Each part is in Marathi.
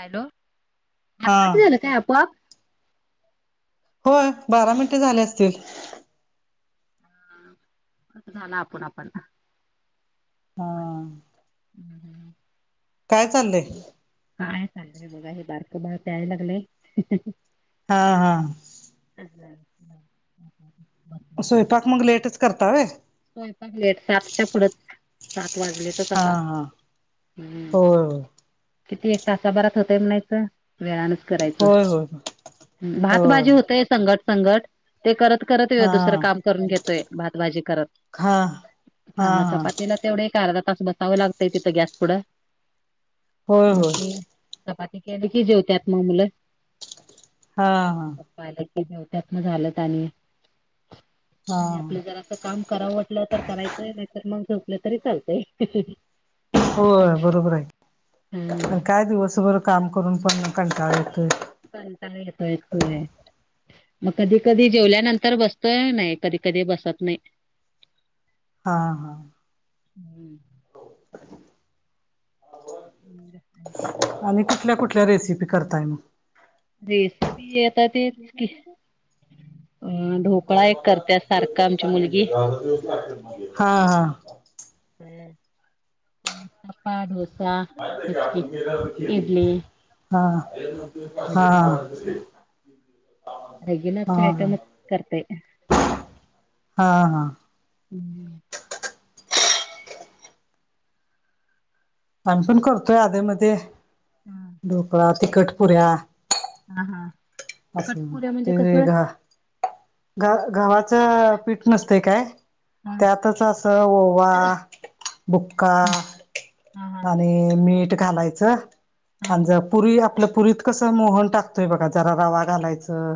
हॅलो, [unintelligible] हा काय आपोआप? होय बारा मिनटे झाले असतील. झालं आपण आपणला हा [inaudible] काय चाललंय? काय नाय हे बघा हे बारकं बाळ प्यायला लागलंय. हा हा. [unintelligible] स्वयंपाक मग लेटच करता व्हय? स्वयंपाक लेट सातच्या पुढंच. सात वाजलेतच हा आता, हा हम्म. होय किती एक तासाभरात होतंय म्हणायचं. वेळानच करायचं, होय होय होय भातभाजी होतेय संगट संगट ते करत करत हा दुसरं काम करून घेतोय भातभजी करत. हा. हा थांबा हा चपातीला तेवढं एक अर्धा तास बसावं लागतय तिथं गॅस पुढं. होय म होय ते चपाती केली की जेवत्यात मग मुलं. हा हा पप्पा आला की जेवत्यात मग झालं त हा आणि आपलं जरा असं काम करावं वाटलं, तर करायचंय नाहीतर मग झोपलं तरी चालतय. होय, बरोबर आहे आणि हा काय दिवसभर काम करून पण कंटाळा येतोय. कंटाळा येतोय होय, मग कधी कधी जेवल्यानंतर बस तोय, नाही कधी कधी बसत नाही. हा हा. हम्म. आणि कुठल्या कुठल्या रेसिपी करताय मग? रेसिपी आता तेच की अ ढोकळा एक करत्या सारखा आमची मुलगी. हा हा. हम्म उत्तप्पा, डोसा माहित आहे का हेच की आपण केली इडली. हा हा. भजी [unintelligible] हा कायतर मग करतंय. हा हा हम्म. आम्ही पण करतोय अधेमधे हा ढोकळा, तिखट पुऱ्या. हा हा. असं कटपुऱ्या म्हणजे ते कसं? वेगळा ग गव्हाचं पीठ नसतंय काय? हा. त्यातच असं ओवा, बुक्का हं. हां, हां. आणि मीठ घालायचं. हां, आणि हां. ज पुरी आपल्या पुरीत कसं मोहन टाकतोय बघा जरा रवा घालायचं.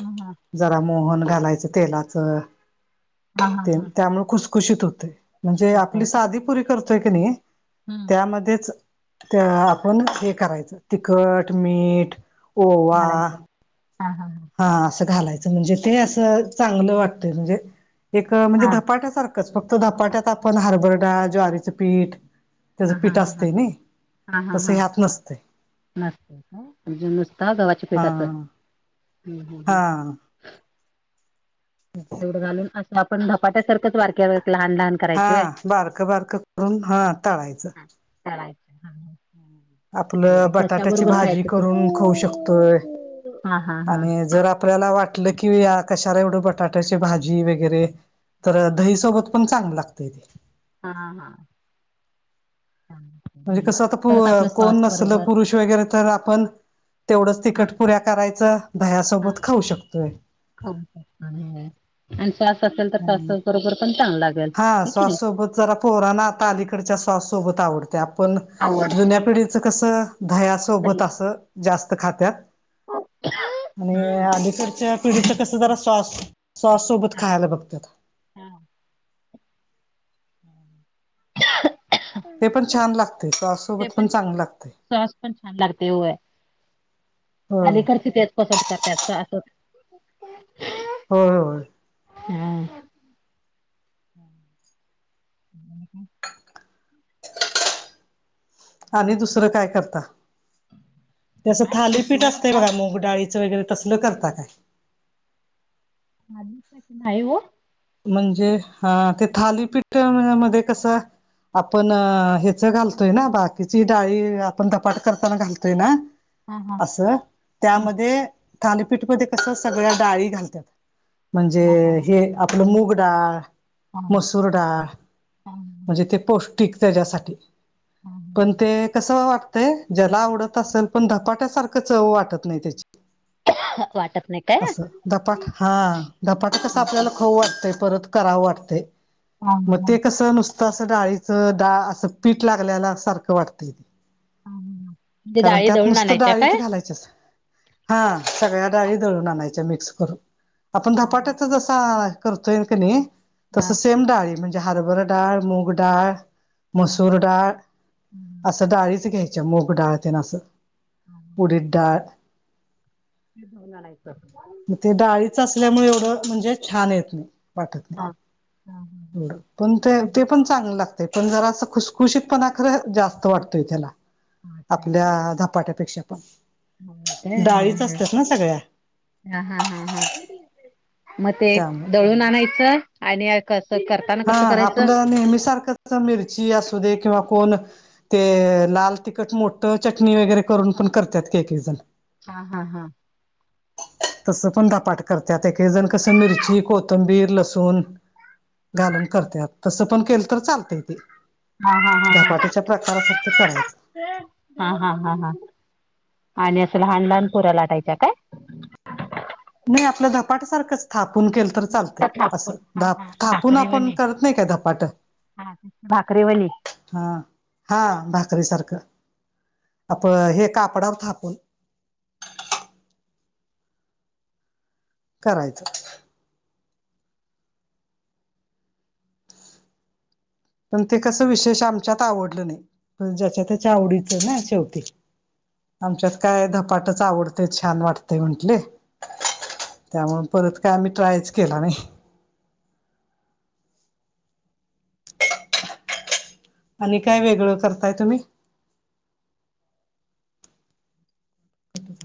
हम्म हा. जरा मोहन घालायचं तेलाच हां, हां, ते हां. त्यामुळे खुसखुशीत होतंय. म्हणजे आपली साधी पुरी करतोय की नई? हम्म. त्यामध्येच त्या आपण हे करायचं तिखट, मीठ ओवा घालायचं, हा हा. हा असं घालायचं म्हणजे ते असं चांगलं वाटतं म्हणजे एक म्हणजे हां. धपाट्या सारखं. एकच फक्त धपाट्यात आपण हरबरडा ज्वारीचं पीठ त्याच हां, हां, पिठ हां, हां. असते ना तस ह्यात नसते. त का म्हजे नुसता गव्हाच्या हा पीठाच हा घालून अस आपण धपाट्या सारखच वारक्या लहान लहान. हा करायची व्हय? बारकं बारकं करून हा टाळायचं. करायचं. आपलं बटाट्याची भाजी खायचं ते? करून खाऊ शकतोय हां, हां, हां. आणि जर आपण आपल्याला वाटलं की कशाला एवढं बटाट्याची भाजी वगैरे तर हां. दही सोबत पण चांगल लागतय तेे. हा हा हा म्हणजे कसं आता कोण नसल पुरुष वगैरे तर आपण तेवढंच तिखट हां, पुऱ्या करायचं हां. दहया्यासोबत खाऊ शकतोय. आणि सॉस असेल तर सॉस बरोबर पण चांग लागेल हा की नाही. सॉस सोबत जरा पोराना अलीकडच्या सॉस सोबत आवडत. ते आपण आवडते जुन्या पिढीचं कसं दहया दही सोबत असं जास्त खात्यात. आणि हम्म अलीकडच्या पिढीच कस जरा सॉस सॉस सोबत खायला बघत. हम् ते पण छान लागते सॉस ते सोबत पण चांगलं लागते सास पण छान लागते होय. हो आलीकडचे त्याच कसत का त्याच असत. होय होय. हम्म ह आणि दुसरं काय करता. तेसं काय नाही थालीपीठ शिवण असतय काम बघा मग डाळीचं वगैरे तसल करता काय? [inaudible] नाही हो! म्हणजे हा ते थालीपीठ मध्ये कस? आपण ह्याच घालतोय ना बाकीची डाळी आपण धपाट करताना घालतोय ना. हा हा असं ह त्यामध्ये थालीपीठमध्ये कसं सगळ्या डाळी घालतात. म्हणजे हा हा हे आपलं मुगडाळ हा मसूर डाळ हा म्हणजे ते पौष्टिक त्याच्यासाठी. पण ते कसं वाटतं. ते जला आवडत असेल पण धकाट्यासारखं चव वाटत नाही त्याची हा वाटत नाही काय? असं धपाट हा धपाट कस आपल्याला वाट परत कराव वाटत मग ते कसं न. तसं डाळीचं डाळ असं पीठ लागल्याला सारखं वाटतंय. म्हणजे कारण डाळी त्यात दळून नुसतं आणायच्या डाळीच काय? घालायच. हा सगळ्या डाळी दळून आणायच्या मिक्स करून आपण हा हा धपाट्याच जसा करतोय क नाही तस हा. सेम डाळी म्हणजे हरभर डाळ मूगडाळ हा मसूर डाळ असं डाळीच घ्यायची. त्या मूग डाळ अस ऊडीत डाळ. दळून आणायचं. मग ते डाळीच असल्यामुळे एवढं म्हणजे छान येते. वाटत हा हा नाही हा. एवढ पण ते ते म्हणजे पण चांगल लागते पण जरा असं खुशखुशीत पणा खरं जा वाटतोय त्याला, असंय आपल्या काय धपाट्या पेक्षा पण मग डाळीच असत्यात ना सगळ्या. हा-हा-हा-हा. मग ते त्यामुळं दळून आणायचं आणि कसं कर हं आपलं नेहमी सारखंच, मिरची असू दे किंवा कोण ते लाल तिखट मोठं चटणी वगैरे करून पण करत्यात, काही-काही जण. हा-हा-हा. [inaudible] तसं पण धपाट करतात काही जण कसं मिरची, कोथंबीर, लसूण घालून करत्यात, तसं पण केल तर चालतय ते. हा-हा-हा-हा. धपाट्याच्या प्रकारासारखं करायचं [unintelligible] हा-हा-हा-हा, आणि असं लहान-लहान पुऱ्या लाटायच्याय काय? नाही आपलं धपाट सारखंच थापून केल तर चालतय मोठा असं थापून हा धा हा थापून आपण भाकरीवणी करत नाही काय धपाट. हा भाकरीे वली. हां. हा, भाकरीसारखं आप हे कापडावर थापून. करायचं. पण ते कसं विशेष आमच्यात आवडलं नाही. ज्याच्या- त्याच्या आवडीचं ना शेवटी. आमच्यात काय धपाटच आवडतय, छान वाटतय म्हंटले. त्यामु परत काय आम्ही ट्रायच केला नाही. आणि काय वेगळं करताय तुम्ही? [inaudible]